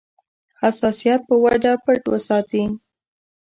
حساسیت په وجه پټ وساتي.